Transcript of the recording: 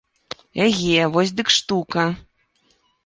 Эге, вось дык штука.